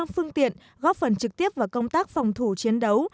phương tiện góp phần trực tiếp vào công tác phòng thủ chiến đấu